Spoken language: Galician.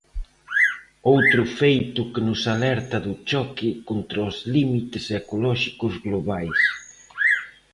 Outro feito que nos alerta do choque contra os límites ecolóxicos globais.